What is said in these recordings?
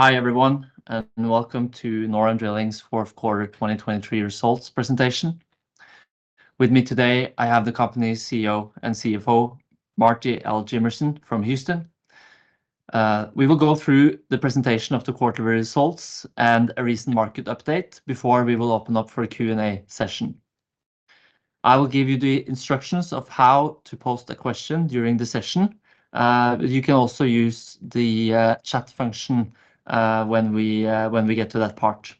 Hi everyone, and welcome to NorAm Drilling's Fourth Quarter 2023 Results Presentation. With me today, I have the company's CEO and CFO, Marty L. Jimmerson, from Houston. We will go through the presentation of the quarterly results and a recent market update before we will open up for a Q&A session. I will give you the instructions of how to post a question during the session, but you can also use the chat function when we get to that part.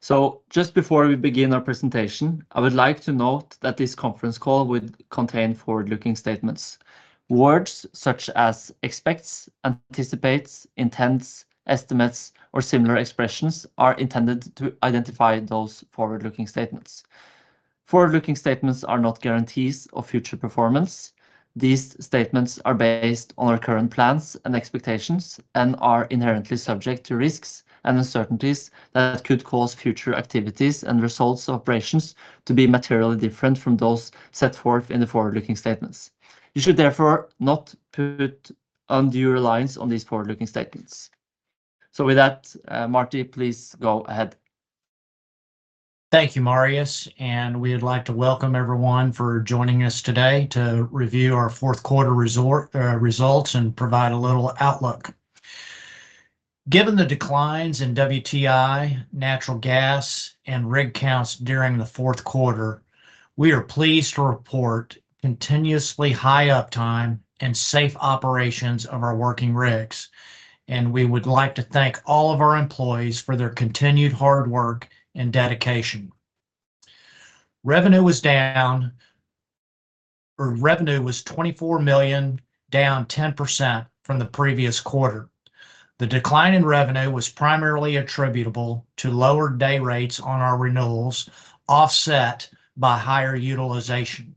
So just before we begin our presentation, I would like to note that this conference call would contain forward-looking statements. Words such as expects, anticipates, intents, estimates, or similar expressions are intended to identify those forward-looking statements. Forward-looking statements are not guarantees of future performance. These statements are based on our current plans and expectations and are inherently subject to risks and uncertainties that could cause future activities and results of operations to be materially different from those set forth in the forward-looking statements. You should therefore not put undue reliance on these forward-looking statements. So with that, Marty, please go ahead. Thank you, Marius, and we would like to welcome everyone for joining us today to review our fourth quarter results and provide a little outlook. Given the declines in WTI, natural gas, and rig counts during the fourth quarter, we are pleased to report continuously high uptime and safe operations of our working rigs, and we would like to thank all of our employees for their continued hard work and dedication. Revenue was down, or revenue was $24 million, down 10% from the previous quarter. The decline in revenue was primarily attributable to lowered day rates on our renewals, offset by higher utilization.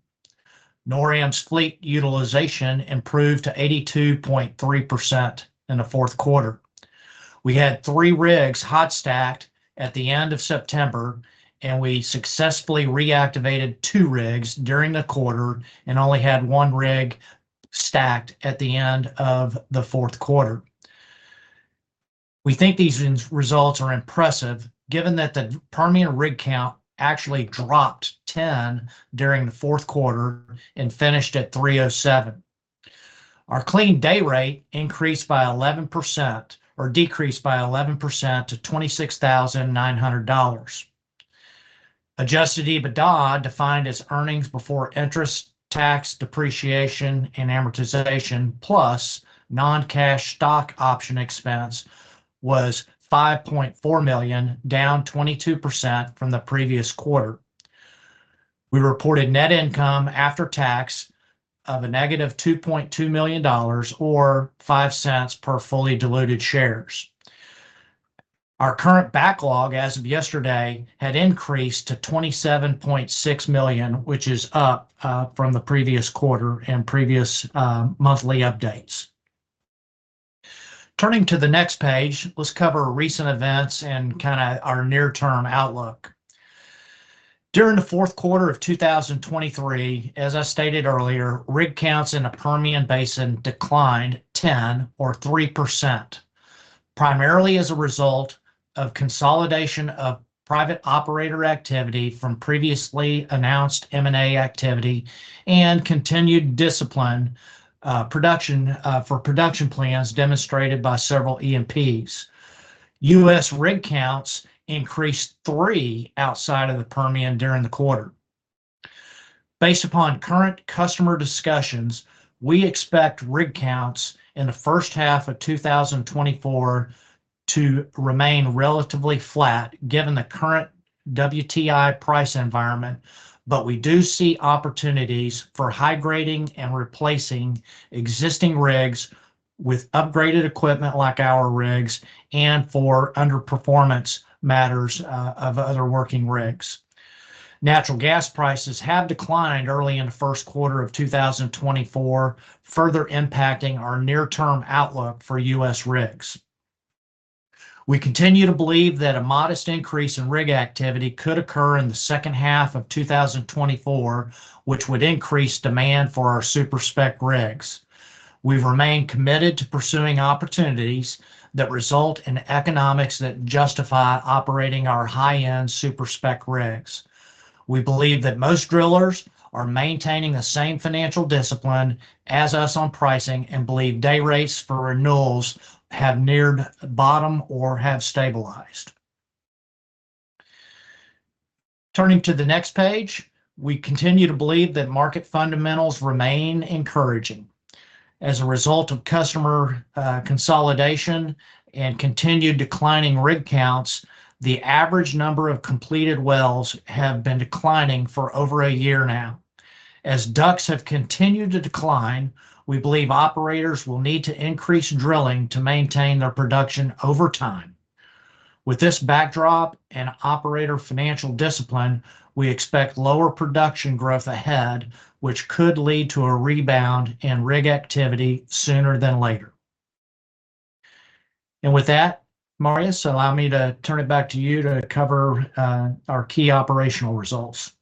NorAm's fleet utilization improved to 82.3% in the fourth quarter. We had three rigs hot-stacked at the end of September, and we successfully reactivated two rigs during the quarter and only had one rig stacked at the end of the fourth quarter. We think these results are impressive given that the Permian rig count actually dropped 10 during the fourth quarter and finished at 307. Our clean day rate increased by 11% or decreased by 11% to $26,900. Adjusted EBITDA, defined as earnings before interest, tax, depreciation, and amortization plus non-cash stock option expense, was $5.4 million, down 22% from the previous quarter. We reported net income after tax of -$2.2 million or $0.05 per fully diluted shares. Our current backlog as of yesterday had increased to $27.6 million, which is up from the previous quarter and previous monthly updates. Turning to the next page, let's cover recent events and kind of our near-term outlook. During the fourth quarter of 2023, as I stated earlier, rig counts in the Permian Basin declined 10, or 3%, primarily as a result of consolidation of private operator activity from previously announced M&A activity and continued discipline, production, for production plans demonstrated by several E&Ps. U.S. rig counts increased three outside of the Permian during the quarter. Based upon current customer discussions, we expect rig counts in the first half of 2024 to remain relatively flat given the current WTI price environment, but we do see opportunities for high-grading and replacing existing rigs with upgraded equipment like our rigs and for underperformance matters of other working rigs. Natural gas prices have declined early in the first quarter of 2024, further impacting our near-term outlook for U.S. rigs. We continue to believe that a modest increase in rig activity could occur in the second half of 2024, which would increase demand for our Super Spec rigs. We've remained committed to pursuing opportunities that result in economics that justify operating our high-end Super Spec rigs. We believe that most drillers are maintaining the same financial discipline as us on pricing and believe day rates for renewals have neared bottom or have stabilized. Turning to the next page, we continue to believe that market fundamentals remain encouraging. As a result of customer consolidation and continued declining rig counts, the average number of completed wells have been declining for over a year now. As DUCs have continued to decline, we believe operators will need to increase drilling to maintain their production over time. With this backdrop and operator financial discipline, we expect lower production growth ahead, which could lead to a rebound in rig activity sooner than later. With that, Marius, allow me to turn it back to you to cover our key operational results.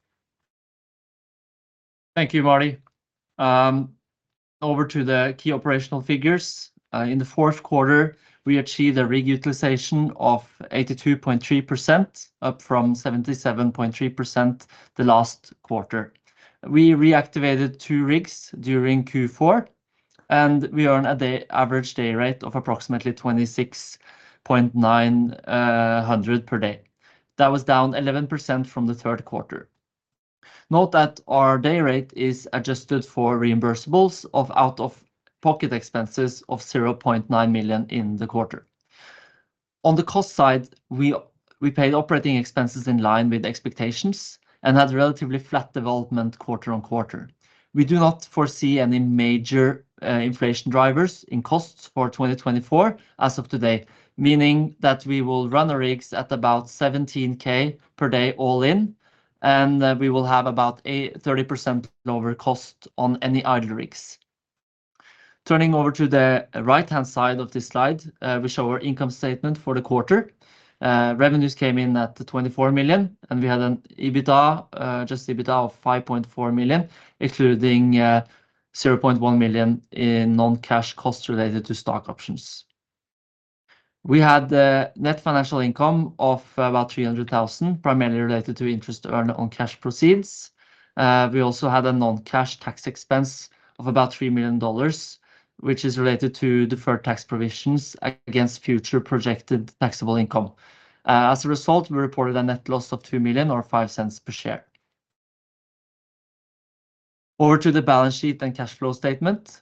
Thank you, Marty. Over to the key operational figures. In the fourth quarter, we achieved a rig utilization of 82.3%, up from 77.3% the last quarter. We reactivated two rigs during Q4, and we earned a day average day rate of approximately $26,900 per day. That was down 11% from the third quarter. Note that our day rate is adjusted for reimbursables out of pocket expenses of $0.9 million in the quarter. On the cost side, we paid operating expenses in line with expectations and had relatively flat development quarter-on-quarter. We do not foresee any major, inflation drivers in costs for 2024 as of today, meaning that we will run our rigs at about $17,000 per day all in, and we will have about 30% lower cost on any idle rigs. Turning over to the right-hand side of this slide, we show our income statement for the quarter. Revenues came in at $24 million, and we had an EBITDA, just EBITDA of $5.4 million, including $0.1 million in non-cash costs related to stock options. We had a net financial income of about $300,000, primarily related to interest earned on cash proceeds. We also had a non-cash tax expense of about $3 million, which is related to deferred tax provisions against future projected taxable income. As a result, we reported a net loss of $2 million or $0.05 per share. Over to the balance sheet and cash flow statement.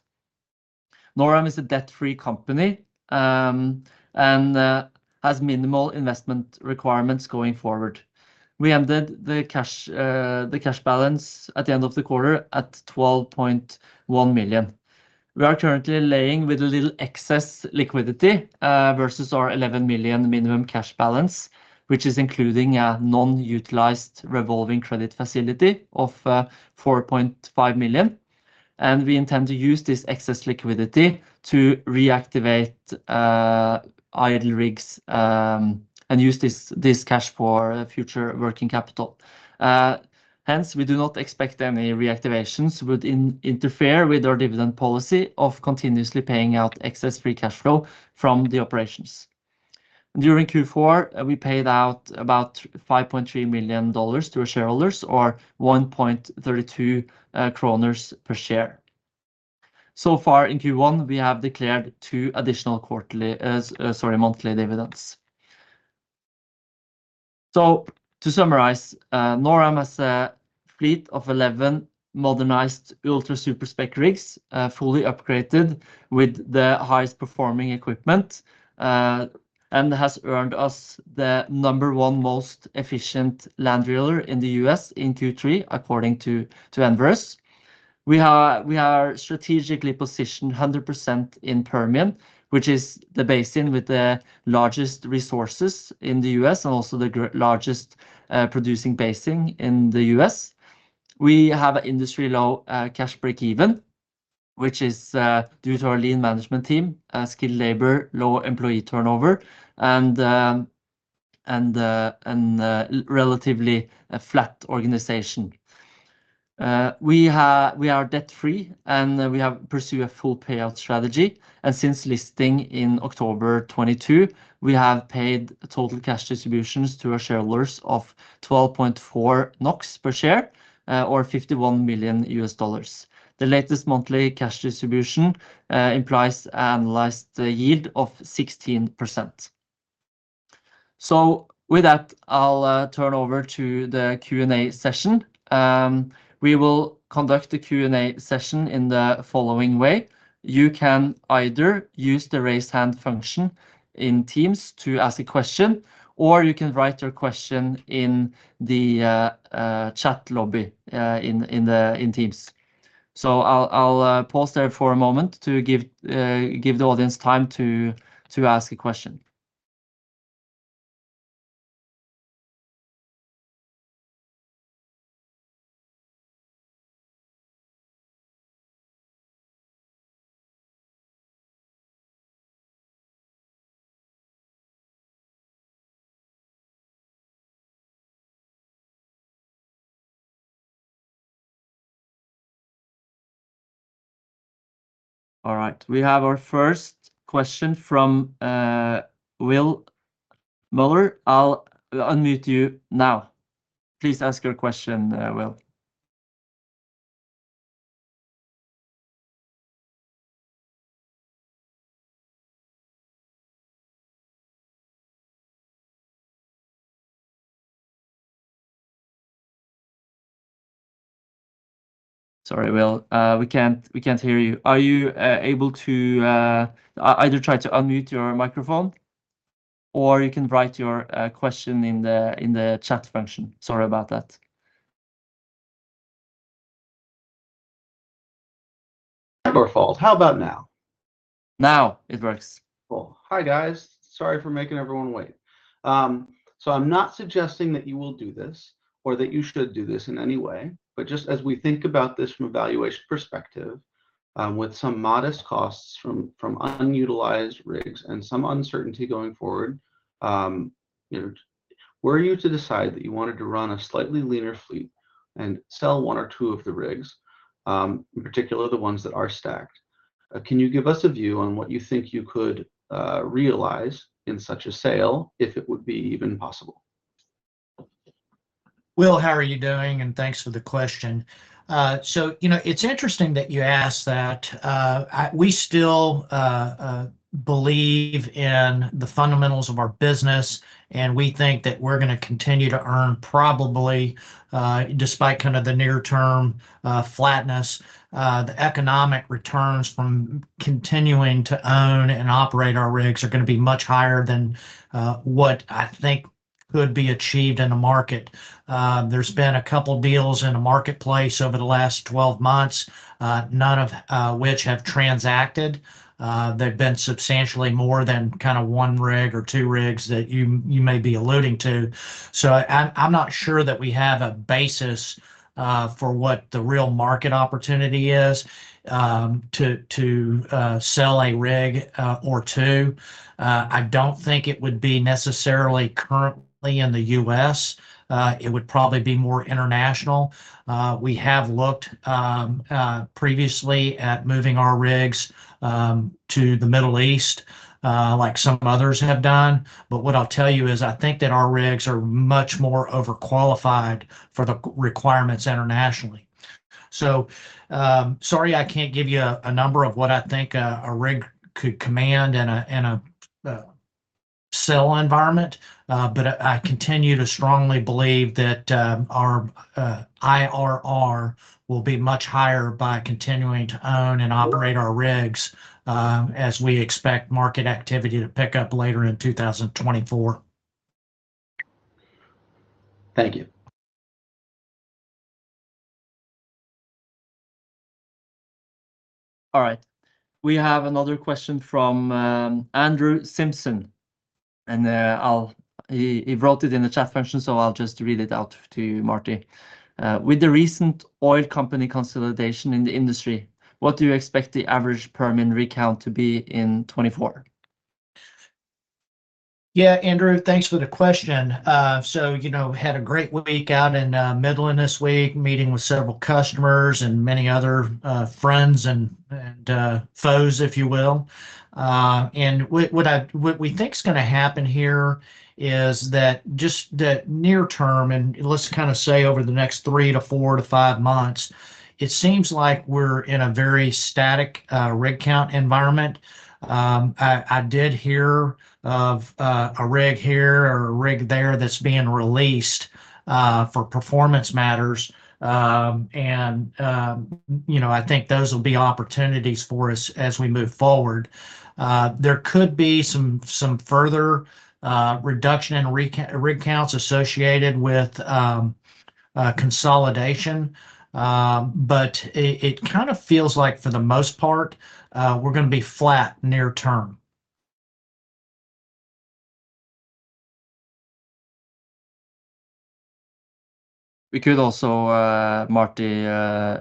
NorAm is a debt-free company and has minimal investment requirements going forward. We ended the cash balance at the end of the quarter at $12.1 million. We are currently sitting with a little excess liquidity, versus our $11 million minimum cash balance, which is including a non-utilized revolving credit facility of $4.5 million. We intend to use this excess liquidity to reactivate idle rigs, and use this this cash for future working capital. Hence, we do not expect any reactivations would interfere with our dividend policy of continuously paying out excess free cash flow from the operations. During Q4, we paid out about $5.3 million to our shareholders, or 1.32 kroner per share. So far in Q1, we have declared two additional quarterly, sorry, monthly dividends. So to summarize, NorAm has a fleet of 11 modernized ultra Super Spec rigs, fully upgraded with the highest performing equipment, and has earned us the number one most efficient land driller in the U.S. in Q3, according to Enverus. We are strategically positioned 100% in Permian, which is the basin with the largest resources in the U.S. and also the largest producing basin in the U.S.. We have an industry low cash break even, which is due to our lean management team, skilled labor, low employee turnover, and relatively flat organization. We are debt-free and we have pursued a full payout strategy. Since listing in October 2022, we have paid total cash distributions to our shareholders of 12.4 NOK per share, or $51 million. The latest monthly cash distribution implies an annualized yield of 16%. So with that, I'll turn over to the Q&A session. We will conduct the Q&A session in the following way. You can either use the raise hand function in Teams to ask a question, or you can write your question in the chat lobby in Teams. So I'll pause there for a moment to give the audience time to ask a question. All right, we have our first question from Will Miller. I'll unmute you now. Please ask your question, Will. Sorry, Will, we can't hear you. Are you able to either try to unmute your microphone, or you can write your question in the chat function. Sorry about that. How about now? Now it works. Cool. Hi, guys. Sorry for making everyone wait. So I'm not suggesting that you will do this or that you should do this in any way, but just as we think about this from a valuation perspective, with some modest costs from unutilized rigs and some uncertainty going forward, you know, were you to decide that you wanted to run a slightly leaner fleet and sell one or two of the rigs, in particular the ones that are stacked, can you give us a view on what you think you could realize in such a sale if it would be even possible? Will, how are you doing? Thanks for the question. So, you know, it's interesting that you ask that. We still believe in the fundamentals of our business, and we think that we're going to continue to earn probably, despite kind of the near-term flatness. The economic returns from continuing to own and operate our rigs are going to be much higher than what I think could be achieved in the market. There's been a couple of deals in the marketplace over the last 12 months, none of which have transacted. They've been substantially more than kind of one rig or two rigs that you may be alluding to. I'm not sure that we have a basis for what the real market opportunity is to sell a rig or two. I don't think it would be necessarily currently in the U.S.. It would probably be more international. We have looked previously at moving our rigs to the Middle East, like some others have done. But what I'll tell you is I think that our rigs are much more overqualified for the requirements internationally. So, sorry, I can't give you a number of what I think a rig could command in a sell environment, but I continue to strongly believe that our IRR will be much higher by continuing to own and operate our rigs, as we expect market activity to pick up later in 2024. Thank you. All right. We have another question from Andrew Simpson. I'll, he wrote it in the chat function, so I'll just read it out to Marty. With the recent oil company consolidation in the industry, what do you expect the average Permian rig count to be in 2024? Yeah, Andrew, thanks for the question. So, you know, had a great week out in Midland this week, meeting with several customers and many other friends and foes, if you will. And what we think's going to happen here is that just near-term, and let's kind of say over the next three to four to five months, it seems like we're in a very static rig count environment. I did hear of a rig here or a rig there that's being released for performance matters. And, you know, I think those will be opportunities for us as we move forward. There could be some further reduction in rig counts associated with consolidation. But it kind of feels like for the most part, we're going to be flat near-term. We could also, Marty,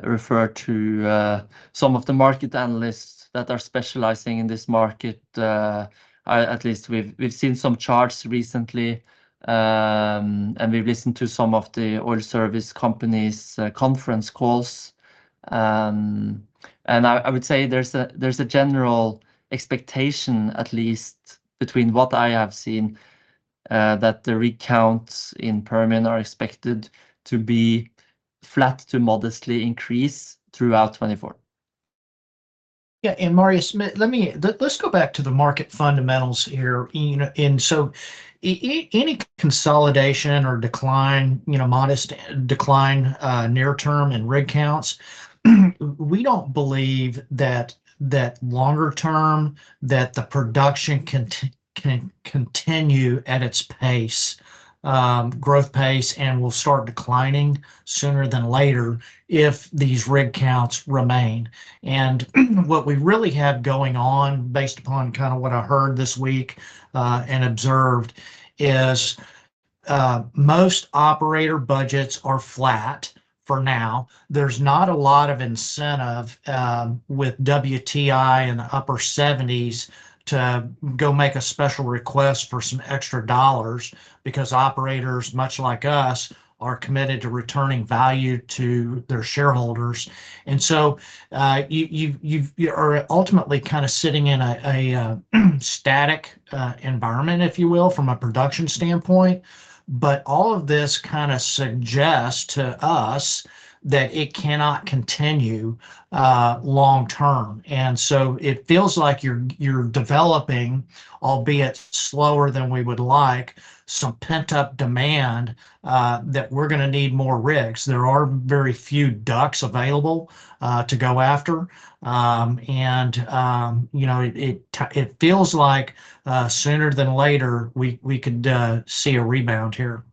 refer to some of the market analysts that are specializing in this market. I, at least, we've seen some charts recently, and we've listened to some of the oil service companies' conference calls. I would say there's a general expectation, at least between what I have seen, that the rig counts in Permian are expected to be flat to modestly increase throughout 2024. Yeah, and Marius, let me let’s go back to the market fundamentals here. You know, and so any consolidation or decline, you know, modest decline, near-term in rig counts, we don't believe that longer term, that the production can continue at its pace, growth pace, and will start declining sooner than later if these rig counts remain. And what we really have going on, based upon kind of what I heard this week, and observed, is most operator budgets are flat for now. There's not a lot of incentive, with WTI in the upper 70s to go make a special request for some extra dollars because operators, much like us, are committed to returning value to their shareholders. And so, you are ultimately kind of sitting in a static environment, if you will, from a production standpoint. But all of this kind of suggests to us that it cannot continue, long term. And so it feels like you're developing, albeit slower than we would like, some pent-up demand, that we're going to need more rigs. There are very few DUCs available, to go after. You know, it feels like, sooner than later, we could see a rebound here.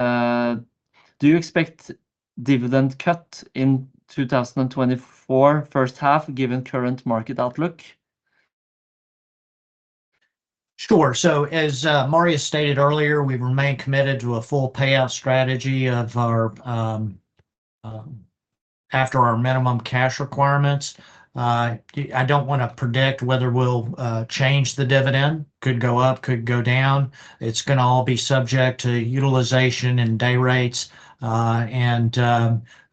All right. Another question from Jin. Do you expect dividend cut in 2024 first half given current market outlook? Sure. So as Marius stated earlier, we've remained committed to a full payout strategy of our, after our minimum cash requirements. I don't want to predict whether we'll change the dividend. Could go up, could go down. It's going to all be subject to utilization and day rates. And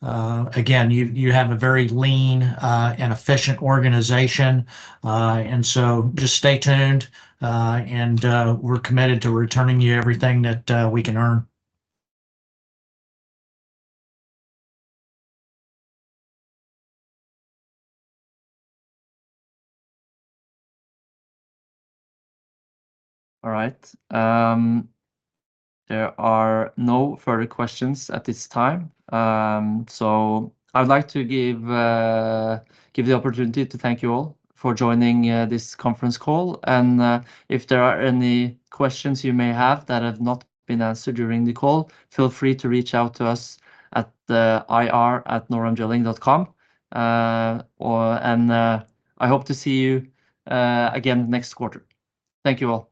again, you have a very lean and efficient organization. So just stay tuned. And we're committed to returning you everything that we can earn. All right. There are no further questions at this time. So I would like to give the opportunity to thank you all for joining this conference call. If there are any questions you may have that have not been answered during the call, feel free to reach out to us at the ir@noramdrilling.com. I hope to see you again next quarter. Thank you all.